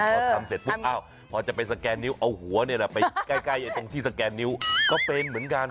พอทำเสร็จปุ๊บพอจะไปสแกนนิ้วเอาหัวไปใกล้ตรงที่สแกนนิ้วก็เป็นเหมือนกัน